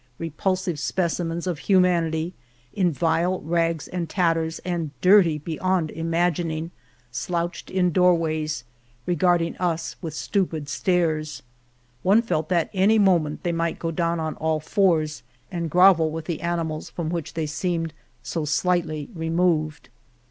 Repulsive specimens of human ity, in vile rags and tatters, and dirty beyond imagining, slouched in doorways, regarding us with stupid stares. One felt that any moment they might go down on all fours and grovel with the animals from which they seemed so slightly removed.